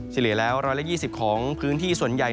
เฉลี่ยแล้ว๑๒๐ของพื้นที่ส่วนใหญ่